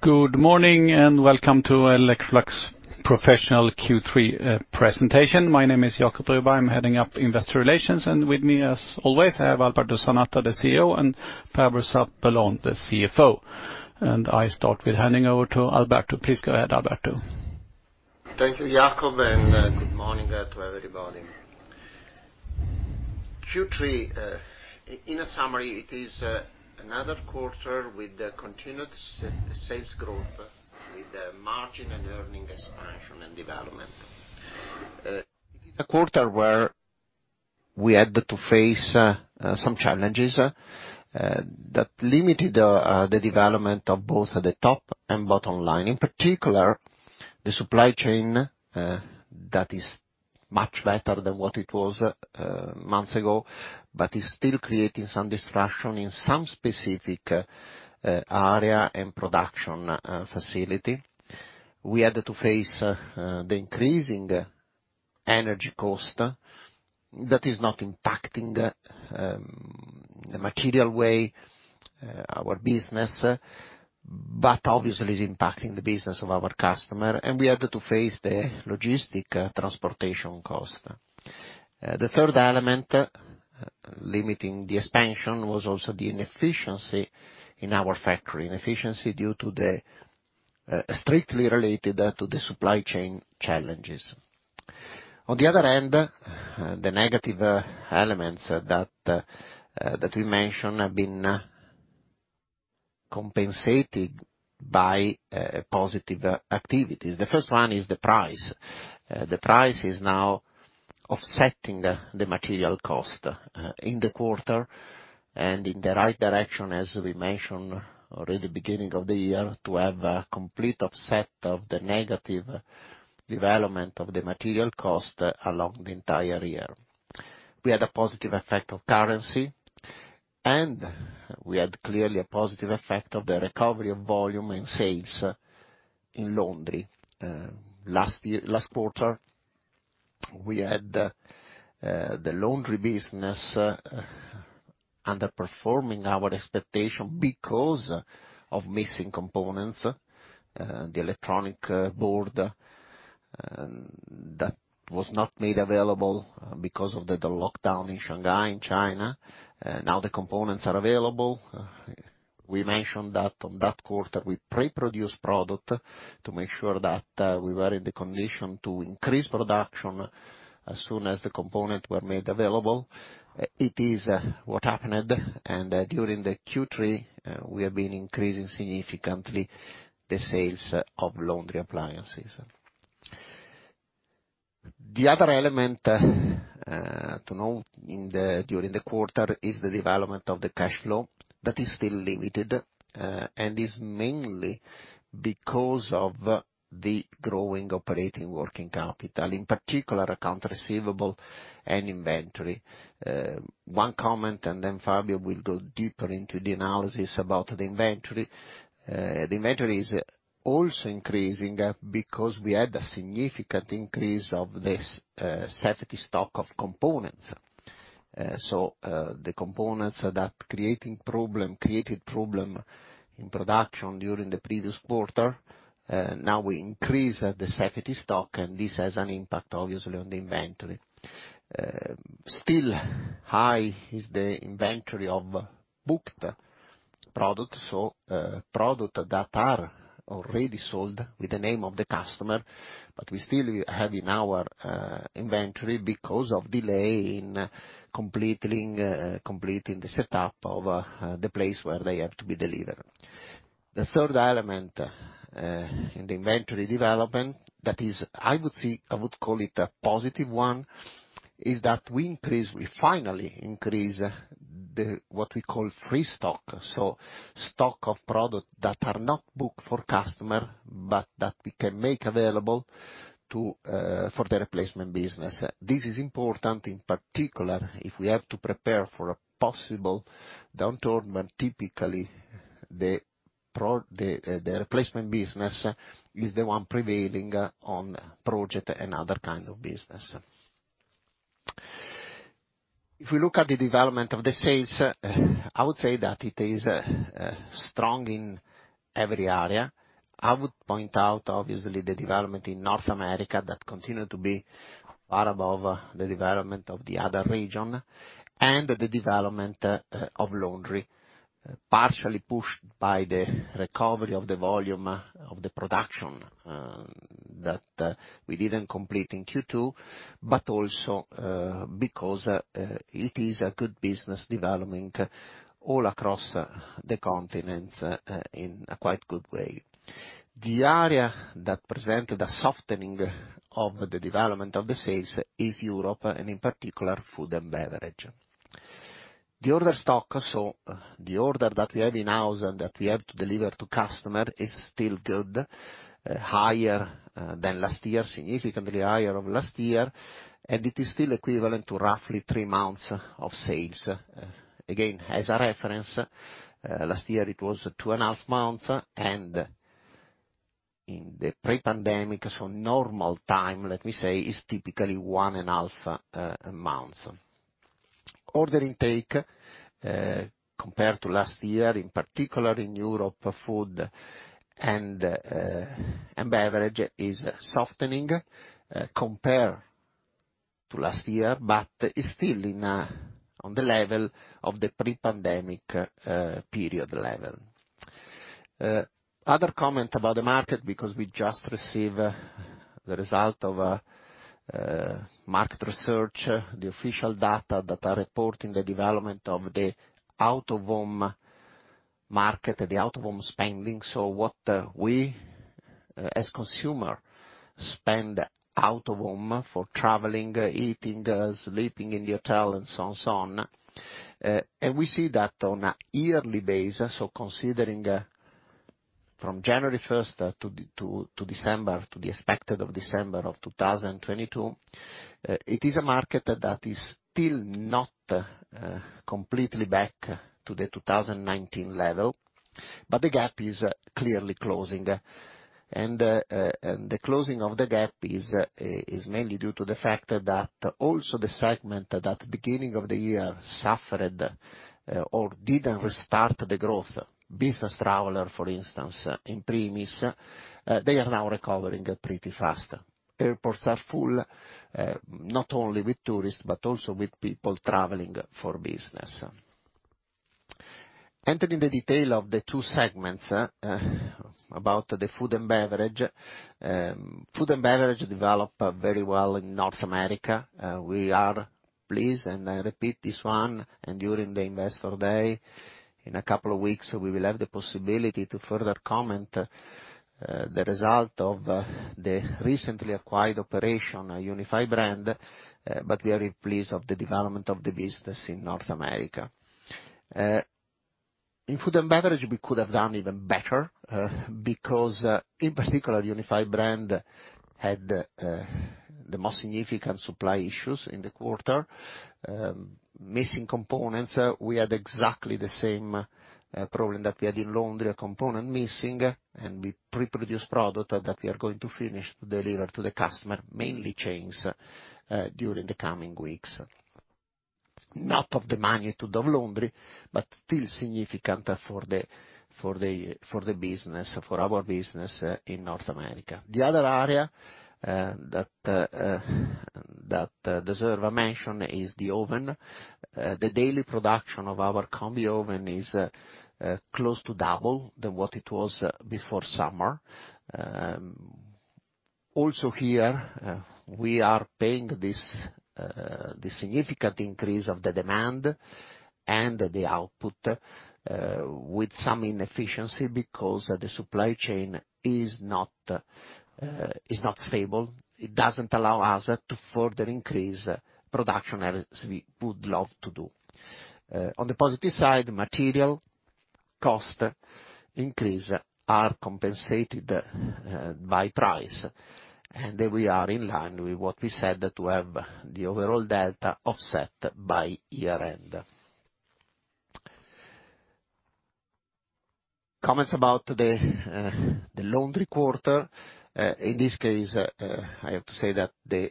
Good morning, and welcome to Electrolux Professional Q3 presentation. My name is Jacob Broberg. I'm heading up investor relations, and with me, as always, I have Alberto Zanata, the CEO, and Fabio Zarpellon, the CFO. I start with handing over to Alberto. Please go ahead, Alberto. Thank you, Jacob, and good morning to everybody. Q3, in a summary, it is another quarter with the continued sales growth with the margin and earnings expansion and development. A quarter where we had to face some challenges that limited the development of both the top and bottom line. In particular, the supply chain that is much better than what it was months ago, but is still creating some disruption in some specific area and production facility. We had to face the increasing energy cost that is not impacting materially our business, but obviously is impacting the business of our customer, and we had to face the logistics transportation cost. The third element limiting the expansion was also the inefficiency in our factory. Inefficiency due to the strictly related to the supply chain challenges. On the other hand, the negative elements that we mentioned have been compensated by positive activities. The first one is the price. The price is now offsetting the material cost in the quarter and in the right direction, as we mentioned already, beginning of the year, to have a complete offset of the negative development of the material cost along the entire year. We had a positive effect of currency, and we had clearly a positive effect of the recovery of volume in sales in Laundry. Last quarter, we had the Laundry business underperforming our expectation because of missing components, the electronic board, that was not made available because of the lockdown in Shanghai in China. Now the components are available. We mentioned that on that quarter we pre-produce product to make sure that we were in the condition to increase production as soon as the components were made available. It is what happened. During the Q3, we have been increasing significantly the sales of laundry appliances. The other element to know during the quarter is the development of the cash flow. That is still limited and is mainly because of the growing operating working capital, in particular account receivable and inventory. One comment, and then Fabio will go deeper into the analysis about the inventory. The inventory is also increasing because we had a significant increase of this safety stock of components. The components that created problem in production during the previous quarter, now we increase the safety stock, and this has an impact, obviously, on the inventory. Still high is the inventory of booked products, so product that are already sold with the name of the customer, but we still have in our inventory because of delay in completing the setup of the place where they have to be delivered. The third element in the inventory development, that is, I would call it a positive one, is that we finally increase the, what we call free stock. Stock of products that are not booked for customer, but that we can make available to for the replacement business. This is important, in particular, if we have to prepare for a possible downturn, when typically the replacement business is the one prevailing on project and other kind of business. If we look at the development of the sales, I would say that it is strong in every area. I would point out, obviously, the development in North America that continued to be far above the development of the other region and the development of Laundry, partially pushed by the recovery of the volume of the production that we didn't complete in Q2, but also because it is a good business developing all across the continents in a quite good way. The area that presented a softening of the development of the sales is Europe and in particular, Food & Beverage. The order stock, so the order that we have in-house and that we have to deliver to customer is still good, higher than last year, significantly higher than last year, and it is still equivalent to roughly three months of sales. Again, as a reference, last year it was two and a half months, and in the pre-pandemic, so normal time, let me say, is typically one and a half months. Order intake compared to last year, in particular in Europe Food & Beverage is softening compared to last year, but is still on the level of the pre-pandemic period level. Other comment about the market because we just received the result of market research. The official data that are reporting the development of the out-of-home market, the out-of-home spending. What we, as consumer, spend out of home for traveling, eating, sleeping in the hotel and so on. We see that on a yearly basis, considering from January first to December, to the end of December of 2022. It is a market that is still not completely back to the 2019 level, but the gap is clearly closing. The closing of the gap is mainly due to the fact that also the segment that at the beginning of the year suffered or didn't restart the growth. Business traveler, for instance, in primis, they are now recovering pretty fast. Airports are full, not only with tourists, but also with people traveling for business. Entering the details of the two segments, about the Food & Beverage. Food and Beverage developed very well in North America. We are pleased, and I repeat this one, and during the Investor Day in a couple of weeks, we will have the possibility to further comment the result of the recently acquired operation, Unified Brands, but we are really pleased of the development of the business in North America. In Food and Beverage, we could have done even better, because in particular, Unified Brands had the most significant supply issues in the quarter. Missing components, we had exactly the same problem that we had in Laundry, a component missing, and we pre-produce product that we are going to finish to deliver to the customer, mainly chains, during the coming weeks. Not of the magnitude of Laundry, but still significant for the business, for our business in North America. The other area that deserve a mention is the oven. The daily production of our combi oven is close to double than what it was before summer. Also here, we are paying this significant increase of the demand and the output with some inefficiency because the supply chain is not stable. It doesn't allow us to further increase production as we would love to do. On the positive side, material cost increase are compensated by price, and we are in line with what we said to have the overall delta offset by year-end. Comments about the Laundry quarter. In this case, I have to say that the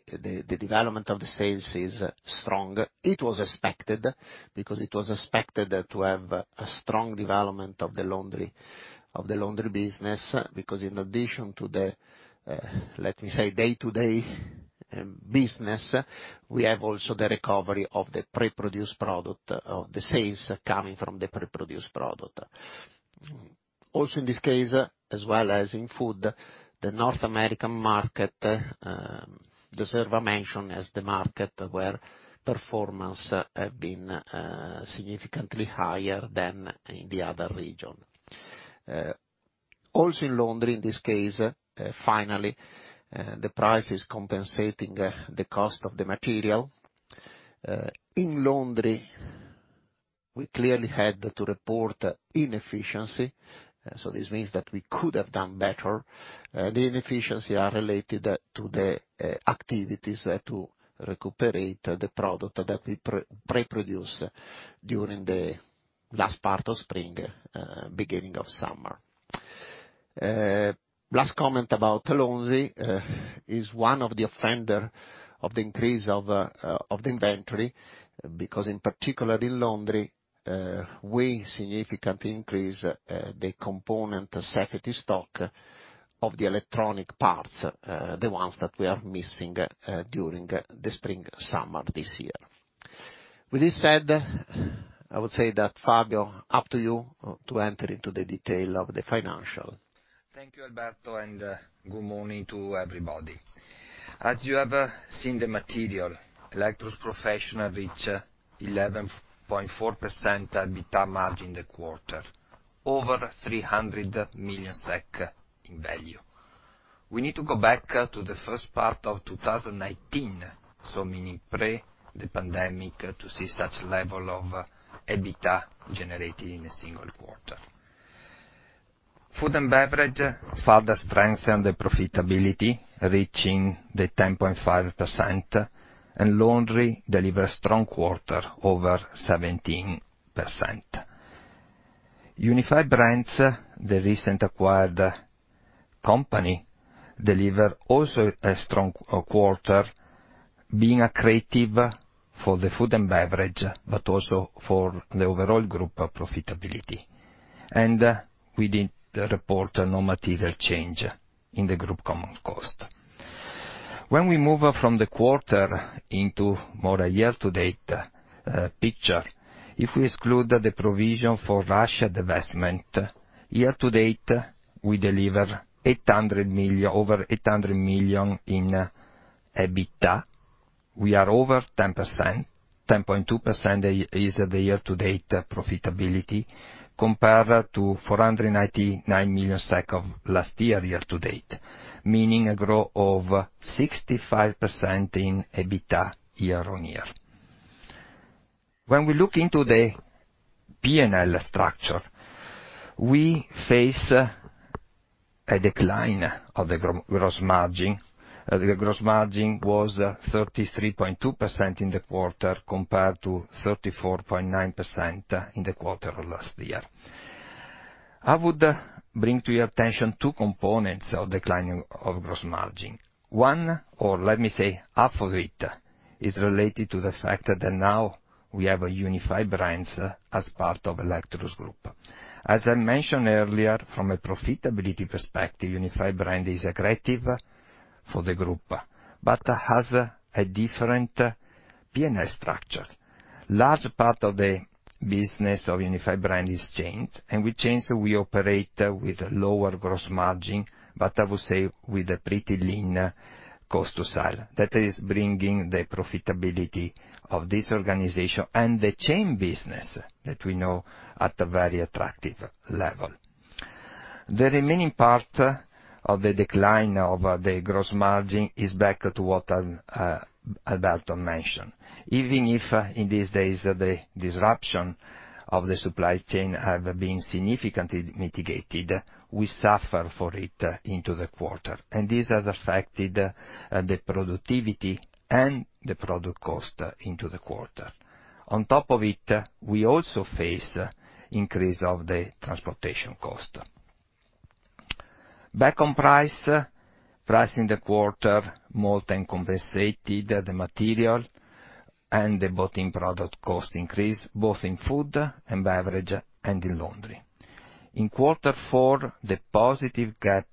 development of the sales is strong. It was expected to have a strong development of the laundry business. Because in addition to the day-to-day business, we have also the recovery of the pre-produced product, of the sales coming from the pre-produced product. Also, in this case, as well as in food, the North American market deserve a mention as the market where performance have been significantly higher than in the other region. Also in laundry, in this case, finally, the price is compensating the cost of the material. In laundry, we clearly had to report inefficiency, so this means that we could have done better. The inefficiency are related to the activities to recuperate the product that we pre-produce during the last part of spring, beginning of summer. Last comment about laundry is one of the offender of the increase of the inventory because in particular in laundry, we significantly increase the component safety stock of the electronic parts, the ones that we are missing during the spring, summer this year. With this said, I would say that Fabio, up to you to enter into the detail of the financial. Thank you, Alberto, and good morning to everybody. As you have seen the material, Electrolux Professional reach 11.4% EBITDA margin in the quarter, over 300 million SEK in value. We need to go back to the first part of 2019, so meaning pre the pandemic, to see such level of EBITDA generated in a single quarter. Food & Beverage further strengthen the profitability, reaching the 10.5%, and Laundry deliver strong quarter over 17%. Unified Brands, the recent acquired company, deliver also a strong quarter, being accretive for the Food & Beverage, but also for the overall group profitability. We did report no material change in the group common cost. When we move from the quarter into more a year-to-date picture, if we exclude the provision for Russia divestment, year-to-date, we deliver 800 million, over 800 million in EBITDA. We are over 10%, 10.2% is the year-to-date profitability compared to 499 million SEK of last year-to-date, meaning a growth of 65% in EBITDA year-on-year. When we look into the P&L structure, we face a decline of the gross margin. The gross margin was 33.2% in the quarter, compared to 34.9% in the quarter of last year. I would bring to your attention two components of declining of gross margin. One, or let me say half of it, is related to the fact that now we have a Unified Brands as part of Electrolux Professional. As I mentioned earlier, from a profitability perspective, Unified Brands is accretive for the group, but has a different P&L structure. Large part of the business of Unified Brands is chain, and with chains we operate with lower gross margin, but I would say with a pretty lean cost to sell. That is bringing the profitability of this organization and the chain business that we know at a very attractive level. The remaining part of the decline of the gross margin is back to what Alberto mentioned. Even if in these days, the disruption of the supply chain have been significantly mitigated, we suffer for it into the quarter, and this has affected the productivity and the product cost into the quarter. On top of it, we also face increase of the transportation cost. Back on price in the quarter more than compensated the material and the bought-in product cost increase, both in food and beverage and in laundry. In quarter four, the positive gap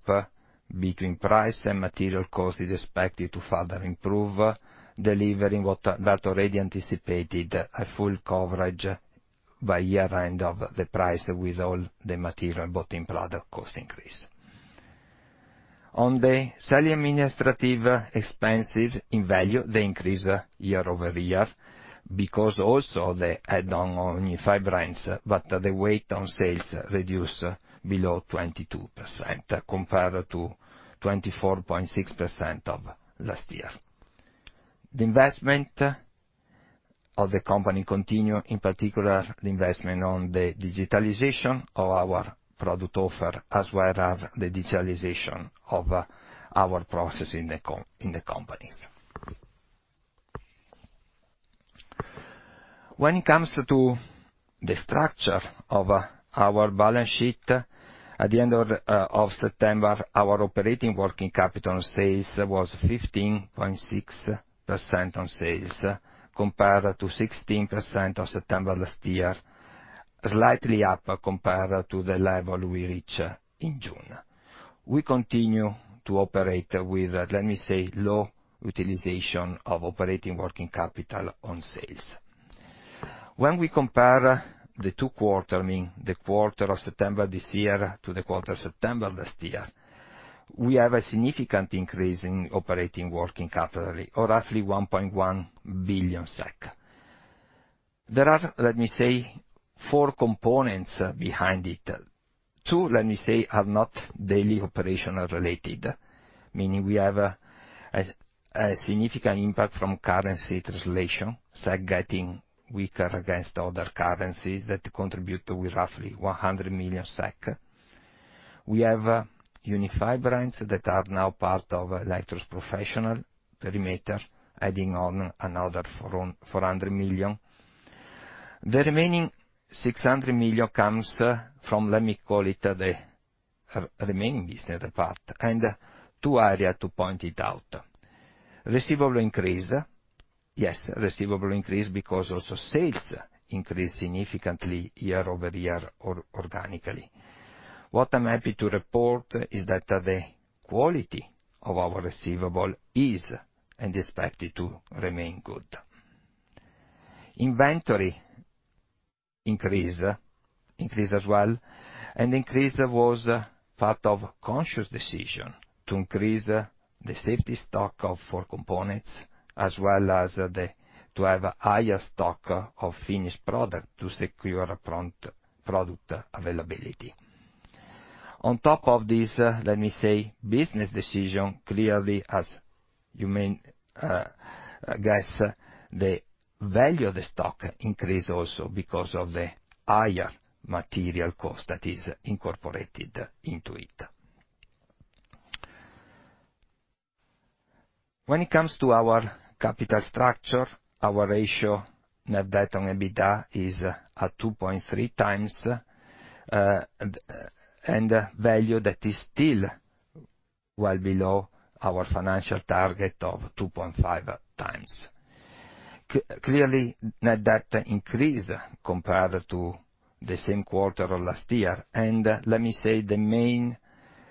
between price and material cost is expected to further improve, delivering what Alberto already anticipated, a full coverage by year-end of the price with all the material bought-in product cost increase. On the selling administrative expense in value, they increase year-over-year because also the add-on Unified Brands, but the weight on sales reduce below 22% compared to 24.6% of last year. The investment of the company continue, in particular the investment on the digitalization of our product offer, as well as the digitalization of our process in the companies. When it comes to the structure of our balance sheet, at the end of September, our operating working capital on sales was 15.6% on sales compared to 16% on September last year, slightly up compared to the level we reach in June. We continue to operate with, let me say, low utilization of operating working capital on sales. When we compare the two quarters, meaning the quarter of September this year to the quarter of September last year, we have a significant increase in operating working capital of roughly 1.1 billion SEK. There are, let me say, four components behind it. Two, let me say, are not daily operational related, meaning we have a significant impact from currency translation, SEK getting weaker against other currencies that contribute with roughly 100 million SEK. We have Unified Brands that are now part of Electrolux Professional perimeter, adding on another 400 million. The remaining 600 million comes from, let me call it, the remaining business part and two areas to point it out. Receivable increase because also sales increase significantly year-over-year or organically. What I'm happy to report is that the quality of our receivable is and expected to remain good. Inventory increase as well, and increase was part of conscious decision to increase the safety stock of core components, as well as to have higher stock of finished product to secure prompt product availability. On top of this, let me say, business decision clearly, as you may guess, the value of the order stock increase also because of the higher material cost that is incorporated into it. When it comes to our capital structure, our ratio net debt to EBITDA is at 2.3x, and value that is still well below our financial target of 2.5x. Clearly, net debt increase compared to the same quarter of last year, and let me say the main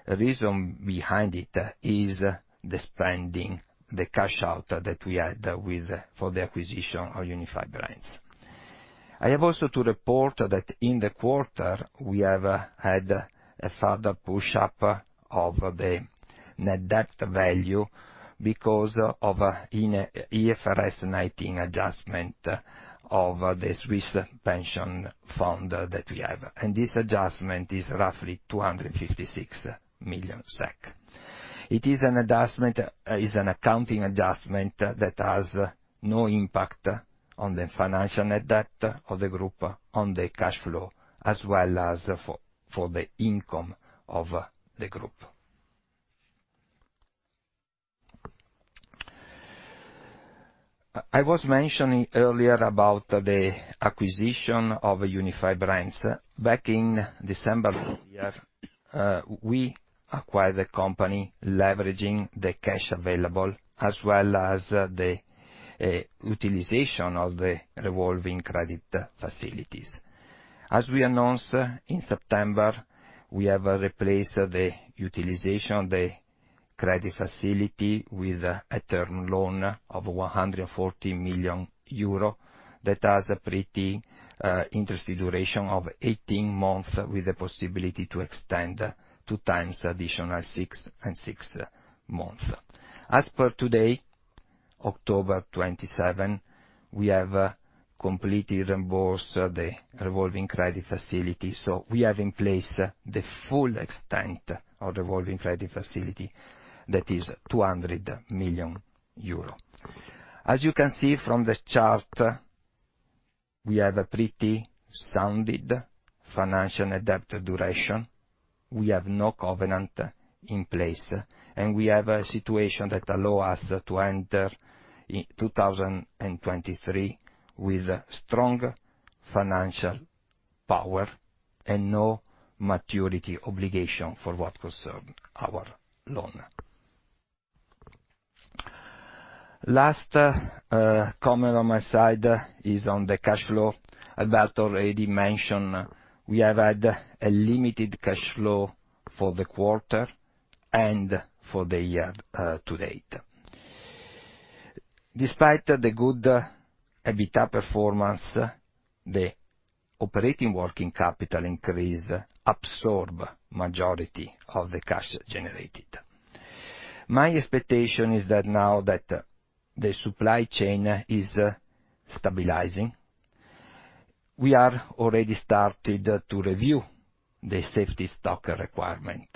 reason behind it is the spending, the cash out that we had for the acquisition of Unified Brands. I have also to report that in the quarter, we have had a further push-up of the net debt value because of an IAS 19 adjustment of the Swiss pension fund that we have. This adjustment is roughly 256 million SEK. It is an accounting adjustment that has no impact on the financial net debt of the group, on the cash flow, as well as for the income of the group. I was mentioning earlier about the acquisition of Unified Brands. Back in December last year, we acquired the company leveraging the cash available as well as the utilization of the revolving credit facilities. As we announced in September, we have replaced the utilization of the credit facility with a term loan of 140 million euro that has a pretty interesting duration of 18 months, with the possibility to extend two times additional six and six months. As per today, October 27, we have completely reimbursed the revolving credit facility, so we have in place the full extent of revolving credit facility, that is 200 million euro. As you can see from the chart, we have a pretty sound financial net debt position. We have no covenant in place, and we have a situation that allow us to enter in 2023 with strong financial power and no maturity obligation for what concern our loan. Last comment on my side is on the cash flow. Alberto already mentioned we have had a limited cash flow for the quarter and for the year to date. Despite the good EBITDA performance, the operating working capital increase absorb majority of the cash generated. My expectation is that now that the supply chain is stabilizing, we have already started to review the safety stock requirement.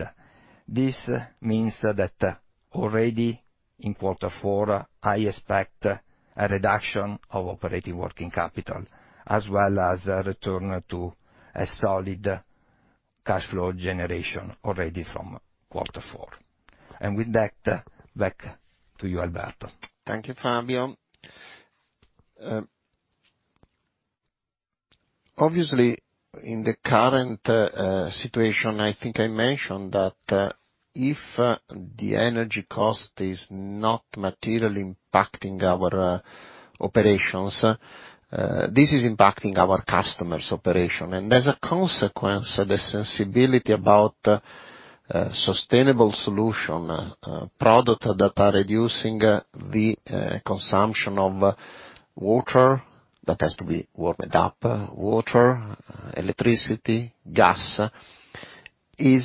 This means that already in quarter four, I expect a reduction of operating working capital, as well as a return to a solid cash flow generation already from quarter four. With that, back to you, Alberto. Thank you, Fabio. Obviously in the current situation, I think I mentioned that if the energy cost is not materially impacting our operations, this is impacting our customers' operations. As a consequence, the sensitivity about sustainable solutions, products that are reducing the consumption of water that has to be warmed up, water, electricity, gas, is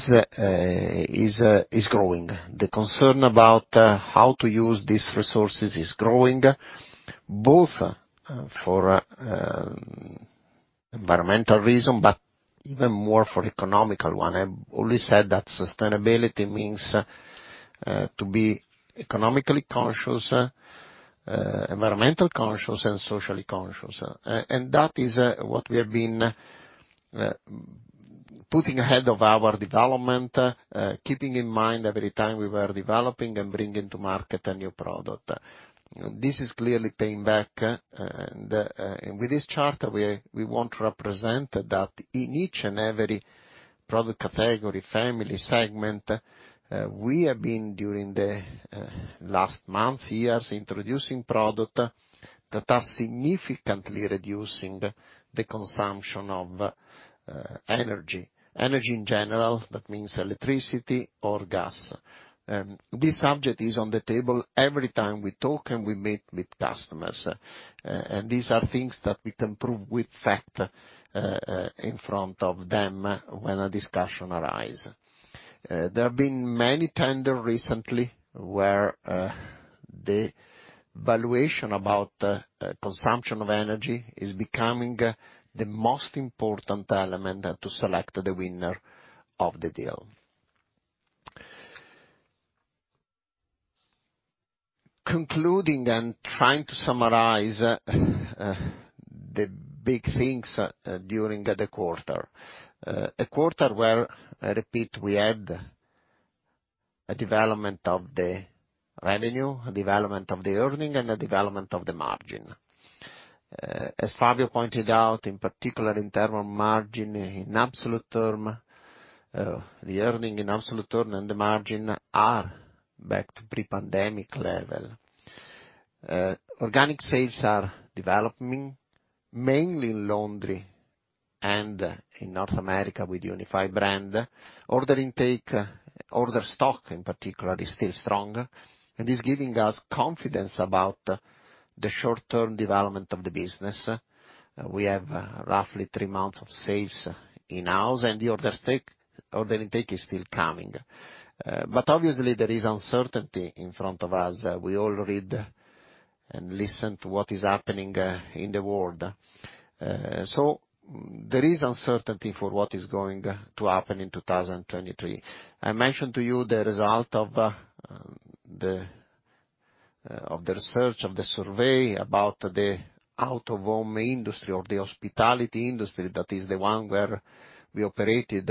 growing. The concern about how to use these resources is growing, both for environmental reasons, but even more for economic ones. I've always said that sustainability means to be economically conscious, environmentally conscious, and socially conscious. That is what we have been putting ahead of our development, keeping in mind every time we were developing and bringing to market a new product. This is clearly paying back, and with this chart, we want to represent that in each and every product category, family segment, we have been, during the last month, years, introducing product that are significantly reducing the consumption of energy. Energy in general, that means electricity or gas. This subject is on the table every time we talk and we meet with customers, and these are things that we can prove with fact in front of them when a discussion arise. There have been many tender recently where the valuation about consumption of energy is becoming the most important element to select the winner of the deal. Concluding and trying to summarize, the big things during the quarter. A quarter where, I repeat, we had a development of the revenue, a development of the earnings and a development of the margin. As Fabio pointed out, in particular in terms of margin in absolute terms, the earnings in absolute terms and the margin are back to pre-pandemic level. Organic sales are developing mainly in Laundry and in North America with Unified Brands. Order intake, order stock in particular is still strong and is giving us confidence about the short term development of the business. We have roughly three months of sales in-house and the order stock, order intake is still coming. Obviously there is uncertainty in front of us. We all read and listen to what is happening, in the world. There is uncertainty for what is going to happen in 2023. I mentioned to you the result of the research, of the survey about the out of home industry or the hospitality industry, that is the one where we operated.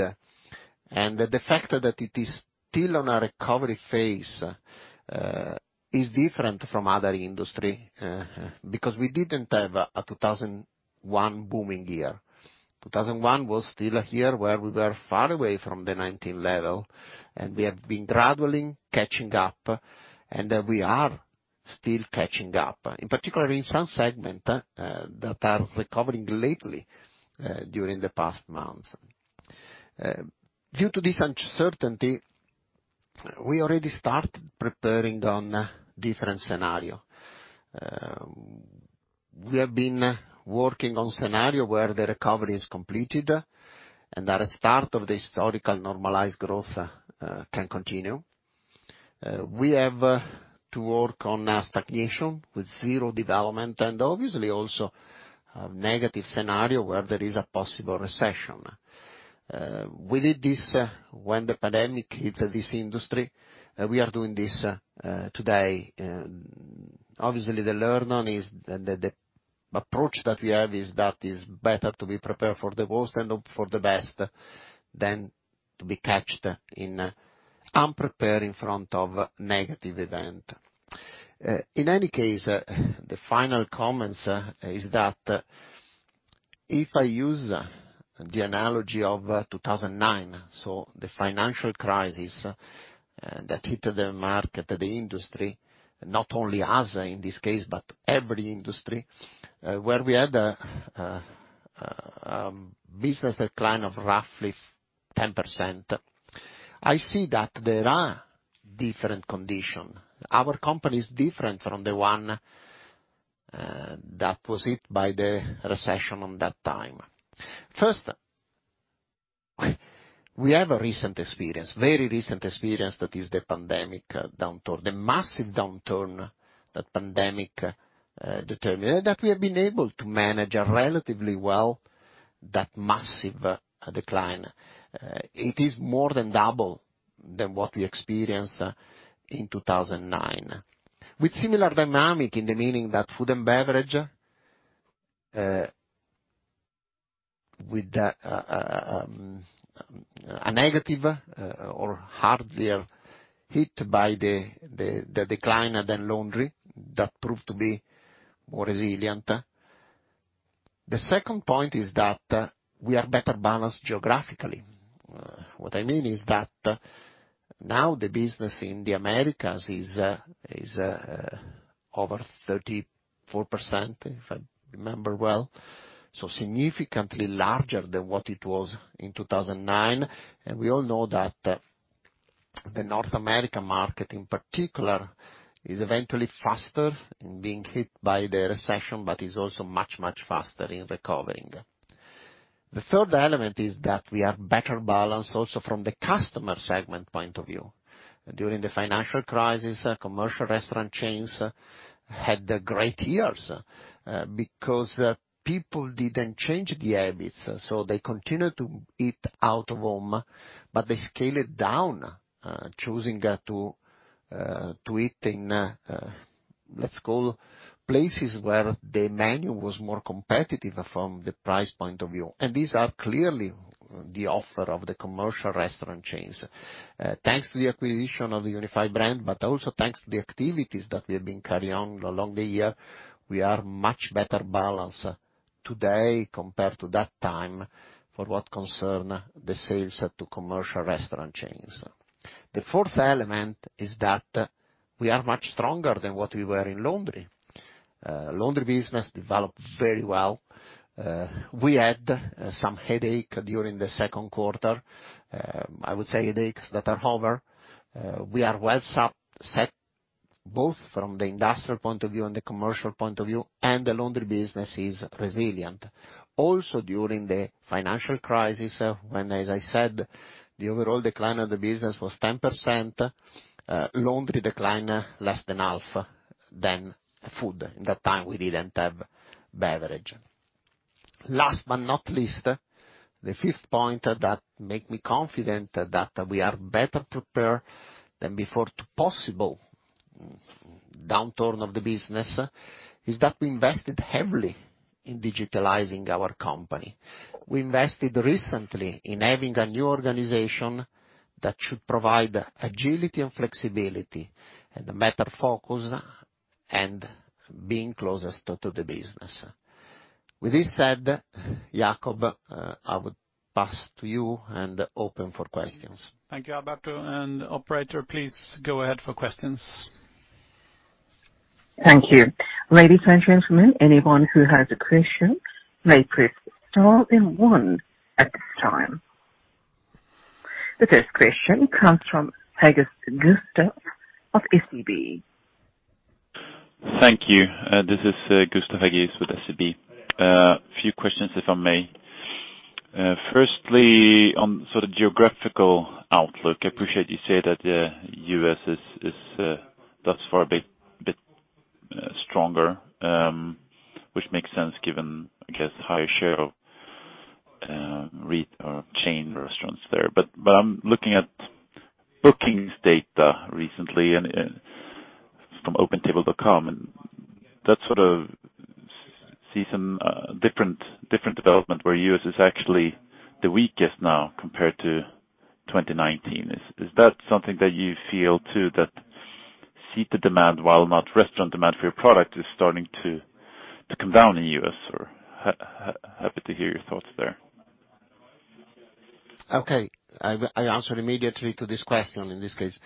The factor that it is still on a recovery phase is different from other industry, because we didn't have a 2001 booming year. 2001 was still a year where we were far away from the 2019 level, and we have been gradually catching up, and we are still catching up, in particular in some segment that are recovering lately during the past months. Due to this uncertainty, we already start preparing on different scenario. We have been working on scenario where the recovery is completed and that a start of the historical normalized growth can continue. We have to work on a stagnation with zero development and obviously also a negative scenario where there is a possible recession. We did this when the pandemic hit this industry. We are doing this today. Obviously the lesson is the approach that we have is that it is better to be prepared for the worst and hope for the best than to be caught unprepared in front of negative event. In any case, the final comment is that, if I use the analogy of 2009, so the financial crisis that hit the market, the industry, not only us in this case, but every industry where we had a business decline of roughly 10%, I see that there are different conditions. Our company is different from the one that was hit by the recession at that time. First, we have a recent experience, very recent experience that is the pandemic downturn, the massive downturn that the pandemic determined, that we have been able to manage relatively well that massive decline. It is more than double than what we experienced in 2009. With similar dynamic in the meaning that Food & Beverage with a negative or hard hit by the decline than Laundry that proved to be more resilient. The second point is that we are better balanced geographically. What I mean is that now the business in the Americas is over 34%, if I remember well, so significantly larger than what it was in 2009. We all know that the North American market in particular is eventually faster in being hit by the recession but is also much, much faster in recovering. The third element is that we are better balanced also from the customer segment point of view. During the financial crisis, commercial restaurant chains had the great years because people didn't change the habits, so they continued to eat out of home, but they scaled down, choosing to eat in, let's call places where the menu was more competitive from the price point of view. These are clearly the offer of the commercial restaurant chains. Thanks to the acquisition of the Unified Brands, but also thanks to the activities that we have been carrying on all along the year, we are much better balanced today compared to that time for what concerns the sales to commercial restaurant chains. The fourth element is that we are much stronger than what we were in Laundry. Laundry business developed very well. We had some headache during the second quarter. I would say headaches that are over. We are well set up both from the industrial point of view and the commercial point of view, and the Laundry business is resilient. Also during the financial crisis, when, as I said, the overall decline of the business was 10%, Laundry declined less than half than food. In that time, we didn't have beverage. Last but not least, the fifth point that make me confident that we are better prepared than before to possible downturn of the business is that we invested heavily in digitalizing our company. We invested recently in having a new organization that should provide agility and flexibility and a better focus and being closest to the business. With this said, Jacob, I would pass to you and open for questions. Thank you, Alberto. Operator, please go ahead for questions. Thank you. Ladies and gentlemen, anyone who has a question may press star then one at this time. The first question comes from Gustav Hagéus of SEB. Thank you. This is Gustav Hagéus with SEB. Few questions, if I may. Firstly on sort of geographical outlook, I appreciate you say that the U.S. is thus far a bit stronger, which makes sense given, I guess, higher share of chain restaurants there. I'm looking at bookings data recently and from OpenTable, and that sort of shows some different development where U.S. Is actually the weakest now compared to 2019. Is that something that you feel too, that seated demand, while not restaurant demand for your product, is starting to come down in U.S., or happy to hear your thoughts there. I answer immediately to this question in this case.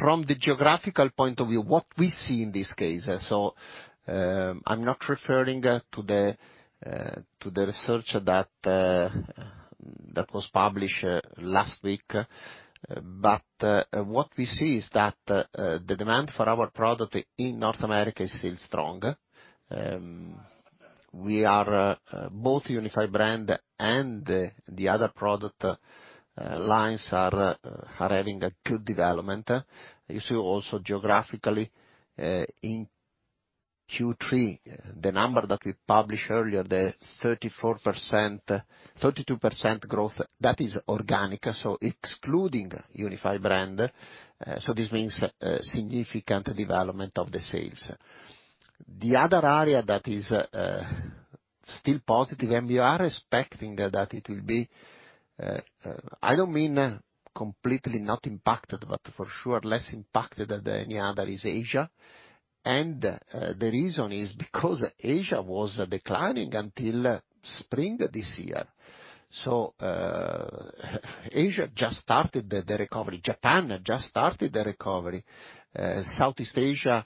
From the geographical point of view, what we see in this case, I'm not referring to the research that was published last week. What we see is that the demand for our product in North America is still strong. We are both Unified Brands and the other product lines are having a good development. You see also geographically in Q3, the number that we published earlier, the 34%, 32% growth, that is organic, excluding Unified Brands, this means significant development of the sales. The other area that is still positive, and we are expecting that it will be, I don't mean completely not impacted, but for sure less impacted than any other, is Asia. The reason is because Asia was declining until spring this year. Asia just started the recovery. Japan just started the recovery. Southeast Asia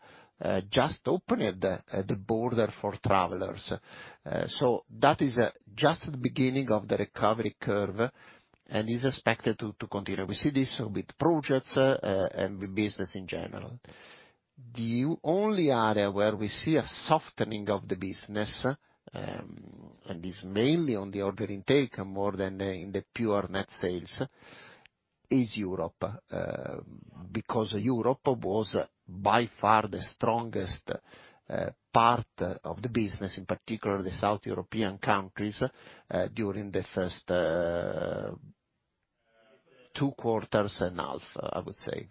just opened the border for travelers. That is just the beginning of the recovery curve and is expected to continue. We see this with projects and with business in general. The only area where we see a softening of the business, and is mainly on the order intake more than in the pure net sales, is Europe, because Europe was by far the strongest part of the business, in particular the South European countries, during the first two quarters and half, I would say.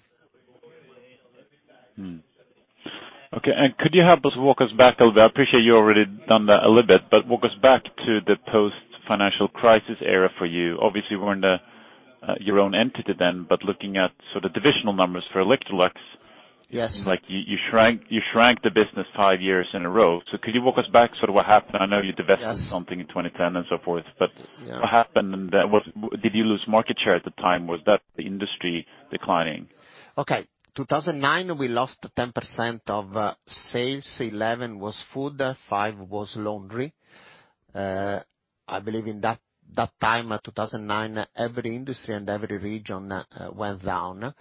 Could you help us walk us back a little bit? I appreciate you already done that a little bit, but walk us back to the post-financial crisis era for you. Obviously, you weren't your own entity then, but looking at sort of divisional numbers for Electrolux. Yes. Like, you shrank the business five years in a row. Could you walk us back sort of what happened? I know you divested. Yes. Something in 2010 and so forth. Yeah. What happened? Did you lose market share at the time? Was that the industry declining? Okay. In 2009, we lost 10% of sales. 11% was food, 5% was laundry. I believe in that time, 2009, every industry and every region went down.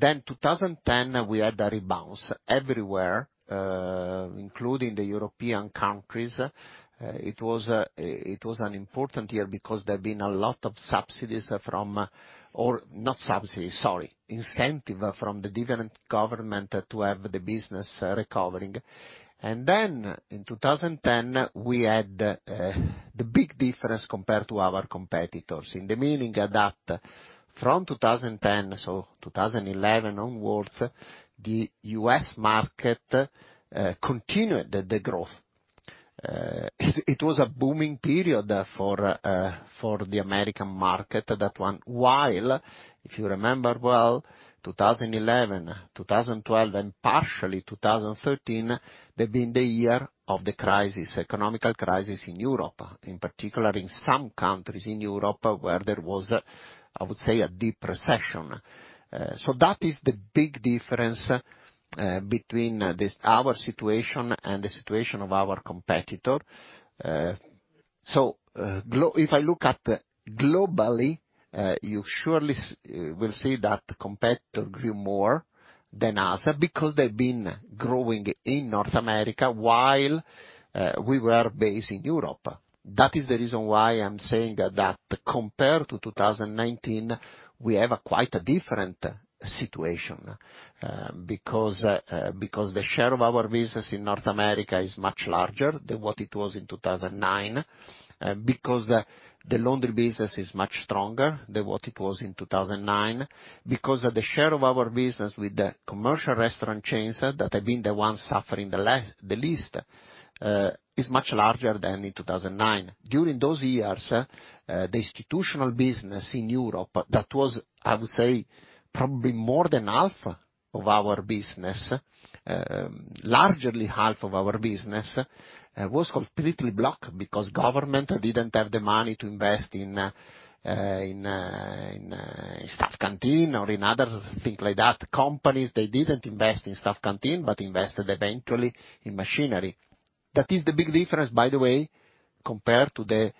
We had a rebound everywhere, including the European countries. It was an important year because there have been a lot of incentives from the different governments to have the business recovering. In 2010, we had the big difference compared to our competitors. Meaning that from 2010, so 2011 onward, the U.S. market continued the growth. It was a booming period for the American market at that one, while if you remember well, 2011, 2012 and partially 2013, they've been the year of the crisis, economic crisis in Europe, in particular in some countries in Europe, where there was, I would say, a deep recession. That is the big difference between this, our situation and the situation of our competitor. If I look globally, you surely will see that competitor grew more than us because they've been growing in North America while we were based in Europe. That is the reason why I'm saying that compared to 2019, we have a quite different situation, because the share of our business in North America is much larger than what it was in 2009. Because the Laundry business is much stronger than what it was in 2009. Because of the share of our business with the commercial restaurant chains that have been the ones suffering the least is much larger than in 2009. During those years, the institutional business in Europe, that was, I would say, probably more than half of our business, largely half of our business, was completely blocked because government didn't have the money to invest in staff canteen or in other things like that. Companies, they didn't invest in staff canteen, but invested eventually in machinery. That is the big difference, by the way, compared to the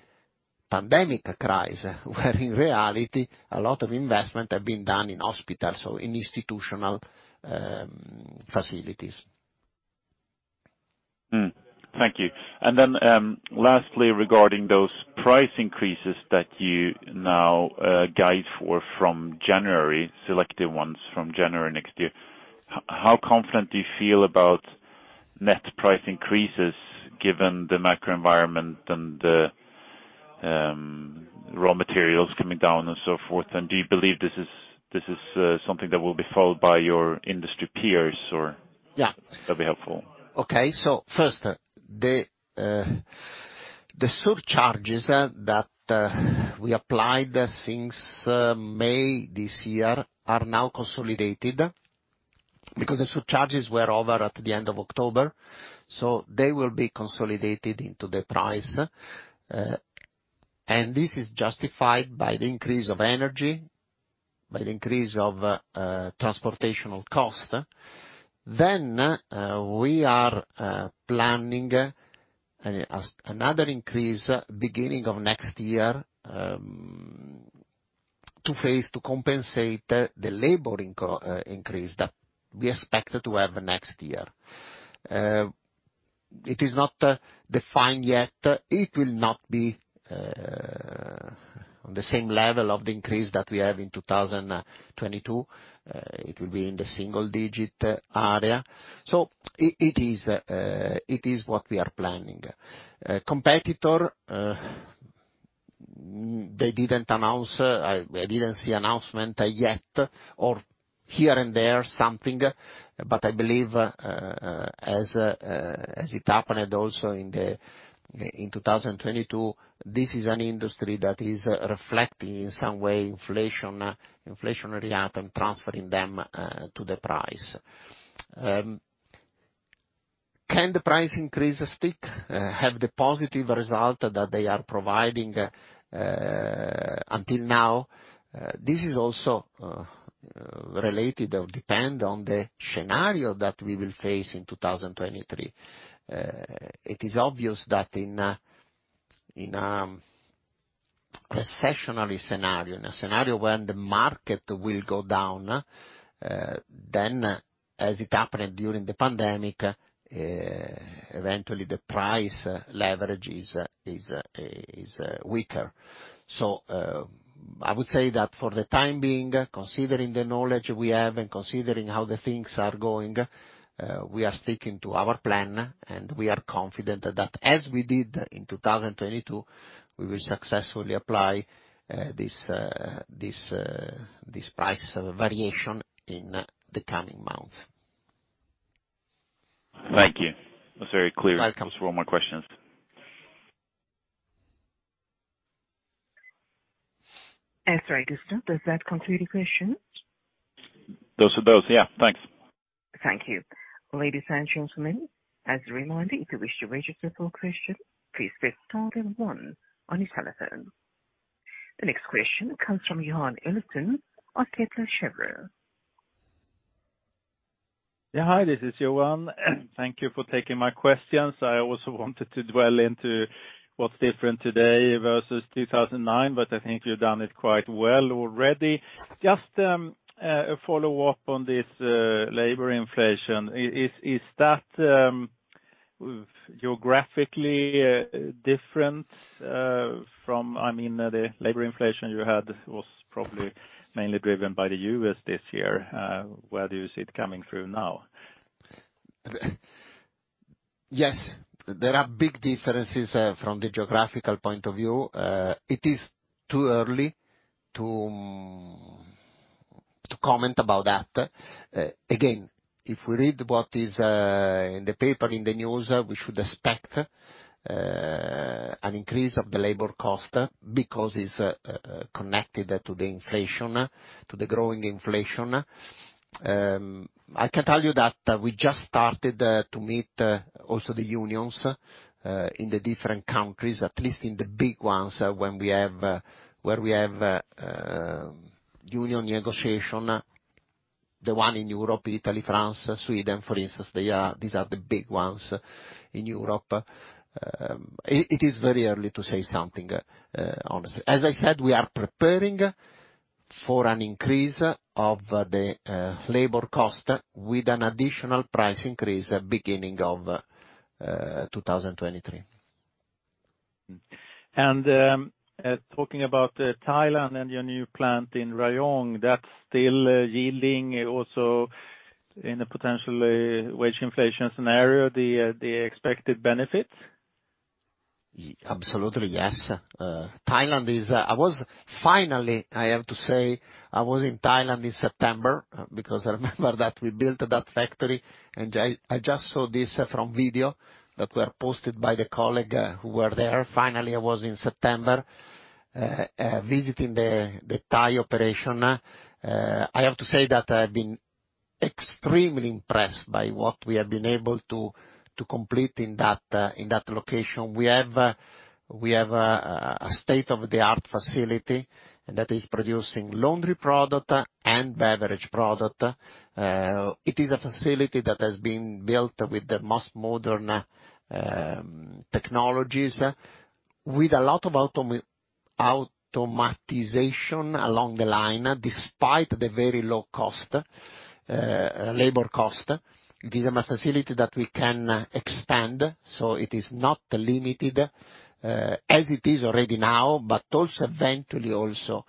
pandemic crisis, where in reality a lot of investment have been done in hospitals or in institutional facilities. Thank you. Lastly, regarding those price increases that you now guide for from January, selective ones from January next year, how confident do you feel about net price increases given the macro environment and the raw materials coming down and so forth? Do you believe this is something that will be followed by your industry peers or? Yeah. That'd be helpful. Okay. First, the surcharges that we applied since May this year are now consolidated because the surcharges were over at the end of October, so they will be consolidated into the price. This is justified by the increase of energy, by the increase of transportation cost. We are planning another increase beginning of next year to compensate the labor increase that we expect to have next year. It is not defined yet. It will not be on the same level of the increase that we have in 2022. It will be in the single digit area. It is what we are planning. Competitors, they didn't announce. I didn't see announcement yet or here and there something. I believe, as it happened also in 2022, this is an industry that is reflecting in some way inflation, inflationary item, transferring them to the price. Can the price increase stick, have the positive result that they are providing until now. This is also related or depend on the scenario that we will face in 2023. It is obvious that in a recessionary scenario, in a scenario when the market will go down, then as it happened during the pandemic, eventually the price leverage is weaker. I would say that for the time being, considering the knowledge we have and considering how the things are going, we are sticking to our plan and we are confident that as we did in 2022, we will successfully apply this price variation in the coming months. Thank you. That's very clear. Welcome. Those were all my questions. Sorry, Gustav, does that conclude your questions? Those are those, yeah. Thanks. Thank you. Ladies and gentlemen, as a reminder, if you wish to register for questions, please press star then one on your telephone. The next question comes from Johan Eliason of Kepler Cheuvreux. Yeah, hi, this is Johan. Thank you for taking my questions. I also wanted to dwell into what's different today versus 2009, but I think you've done it quite well already. Just a follow-up on this labor inflation. Is that geographically different? I mean, the labor inflation you had was probably mainly driven by the U.S. this year. Where do you see it coming through now? Yes. There are big differences from the geographical point of view. It is too early to comment about that. Again, if we read what is in the paper, in the news, we should expect an increase of the labor cost because it's connected to the inflation, to the growing inflation. I can tell you that we just started to meet also the unions in the different countries, at least in the big ones where we have union negotiation. The one in Europe, Italy, France, Sweden, for instance, these are the big ones in Europe. It is very early to say something, honestly. As I said, we are preparing for an increase of the labor cost with an additional price increase at beginning of 2023. Talking about Thailand and your new plant in Rayong, that's still yielding also in a potential wage inflation scenario, the expected benefits? Absolutely, yes. I was finally, I have to say, in Thailand in September because I remember that we built that factory, and I just saw this from video that were posted by the colleague who were there. I was in September visiting the Thai operation. I have to say that I've been extremely impressed by what we have been able to complete in that location. We have a state-of-the-art facility that is producing laundry product and beverage product. It is a facility that has been built with the most modern technologies, with a lot of automation along the line, despite the very low cost labor cost. It is a facility that we can expand, so it is not limited, as it is already now, but also eventually also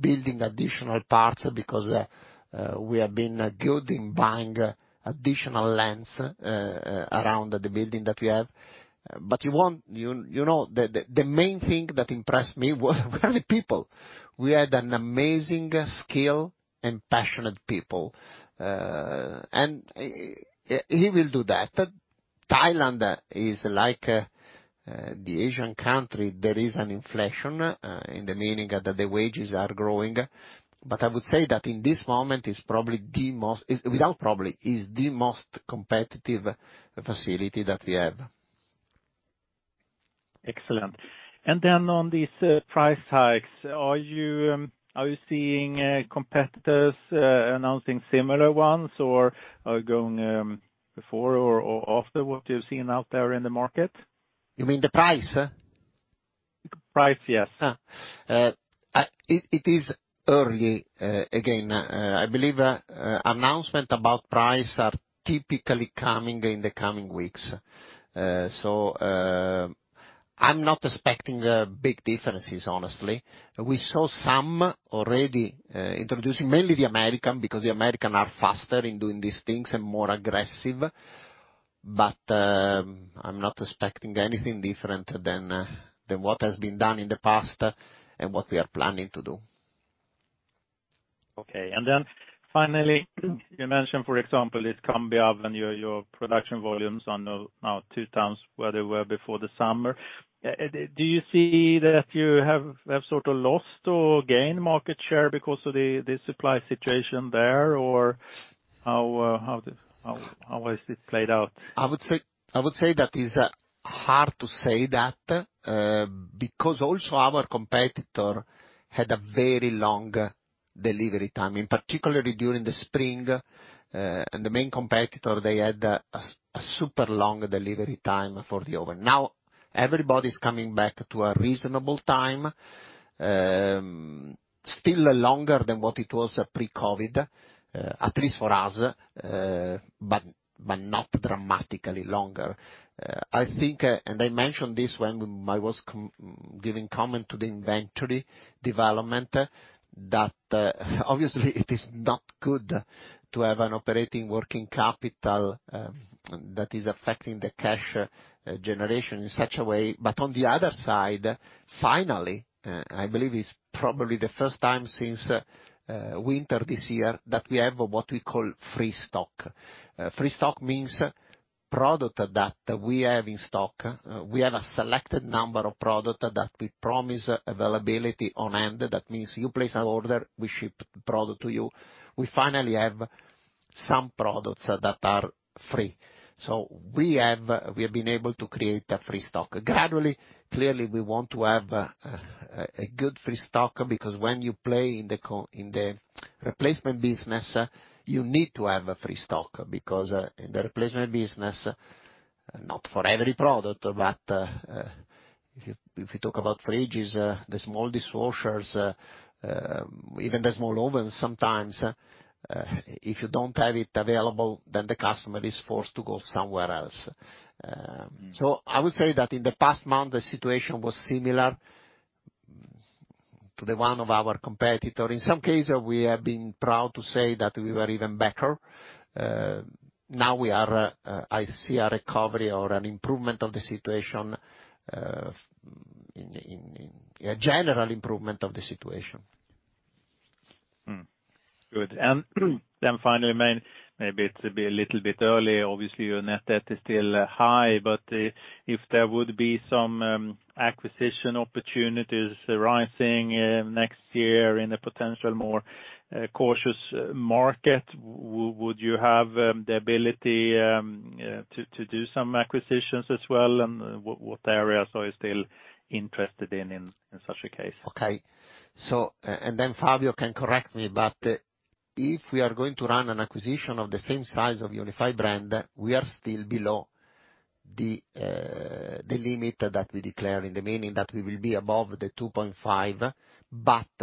building additional parts because we have been good in buying additional lands around the building that we have. You know, the main thing that impressed me were the people. We had an amazing skilled and passionate people. He will do that. Thailand is like the Asian country. There is an inflation in the meaning that the wages are growing. I would say that in this moment, it is the most competitive facility that we have. Excellent. On these price hikes, are you seeing competitors announcing similar ones or going before or after what you're seeing out there in the market? You mean the price? The price, yes. It is early. Again, I believe announcements about prices are typically coming in the coming weeks. I'm not expecting big differences, honestly. We saw some already, introducing mainly the Americans because the Americans are faster in doing these things and more aggressive. I'm not expecting anything different than what has been done in the past and what we are planning to do. Okay. Finally, you mentioned, for example, in Sursee, when your production volumes are now two times where they were before the summer. Do you see that you have sort of lost or gained market share because of the supply situation there? Or how has this played out? I would say that is hard to say, because also our competitor had a very long delivery time, in particular during the spring. The main competitor, they had a super long delivery time for the oven. Now everybody's coming back to a reasonable time, still longer than what it was pre-COVID, at least for us, but not dramatically longer. I think, and I mentioned this when I was commenting on the inventory development, that obviously it is not good to have an operating working capital that is affecting the cash generation in such a way. On the other side, finally, I believe it's probably the first time since winter this year that we have what we call free stock. Free stock means product that we have in stock. We have a selected number of product that we promise availability on hand. That means you place an order, we ship the product to you. We finally have some products that are free. We have been able to create a free stock. Gradually, clearly, we want to have a good free stock because when you play in the replacement business, you need to have a free stock because in the replacement business, not for every product, but if you talk about fridges, the small dishwashers, even the small ovens sometimes, if you don't have it available, then the customer is forced to go somewhere else. I would say that in the past month, the situation was similar to the one of our competitor. In some cases, we have been proud to say that we were even better. Now we are. I see a recovery or an improvement of the situation in a general improvement of the situation. Finally, maybe it's a bit, a little bit early. Obviously, your net debt is still high. If there would be some acquisition opportunities arising next year in a potential more cautious market, would you have the ability to do some acquisitions as well? What areas are you still interested in such a case? Okay. Then Fabio can correct me, but if we are going to run an acquisition of the same size of Unified Brands, we are still below the limit that we declare in the meantime that we will be above the 2.5.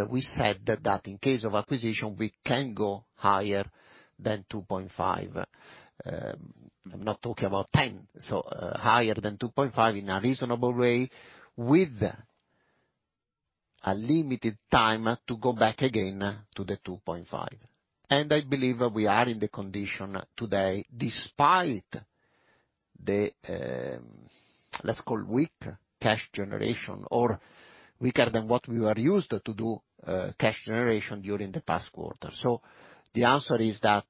We said that in case of acquisition, we can go higher than 2.5. I'm not talking about 10. Higher than 2.5 in a reasonable way with a limited time to go back again to the 2.5. I believe we are in the condition today despite the, let's call weak cash generation or weaker than what we were used to do, cash generation during the past quarter. The answer is that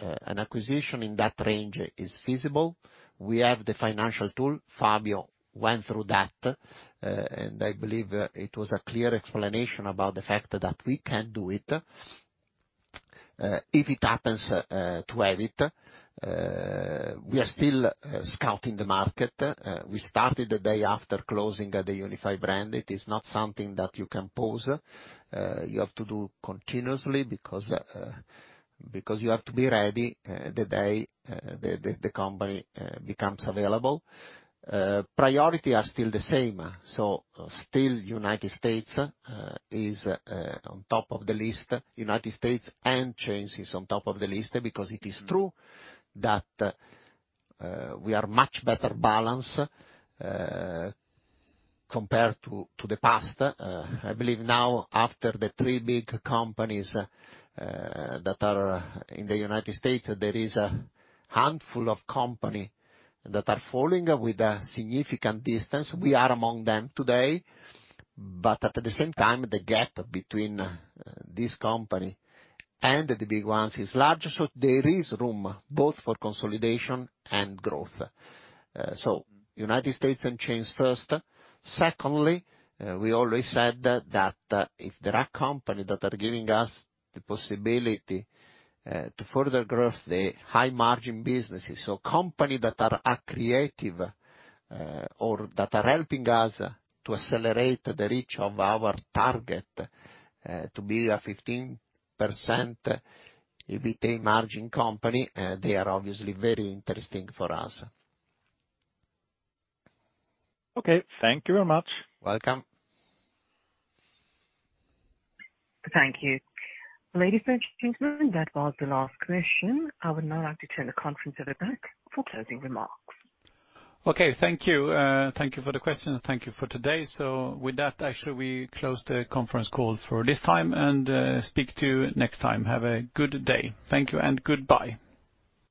an acquisition in that range is feasible. We have the financial tool. Fabio went through that, and I believe it was a clear explanation about the fact that we can do it if it happens to have it. We are still scouting the market. We started the day after closing the Unified Brands. It is not something that you can pause. You have to do continuously because you have to be ready the day the company becomes available. Priority are still the same. Still United States is on top of the list. United States and chains is on top of the list because it is true that we are much better balanced compared to the past. I believe now after the three big companies that are in the United States, there is a handful of companies that are following with a significant distance. We are among them today, but at the same time, the gap between these companies and the big ones is large, so there is room both for consolidation and growth. United States and chains first. Secondly, we always said that if there are companies that are giving us the possibility to further growth, the high margin businesses. Companies that are accretive or that are helping us to accelerate the reach of our target to be a 15% EBITDA margin company, they are obviously very interesting for us. Okay, thank you very much. Welcome. Thank you. Ladies and gentlemen, that was the last question. I would now like to turn the conference over back for closing remarks. Okay, thank you. Thank you for the question. Thank you for today. With that, actually, we close the conference call for this time and speak to you next time. Have a good day. Thank you and goodbye.